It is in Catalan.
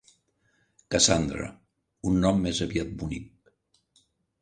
Cassandra; un nom més aviat bonic.